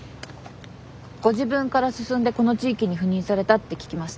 ご自分から進んでこの地域に赴任されたって聞きました。